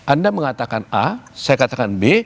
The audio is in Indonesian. anda mengatakan a saya katakan b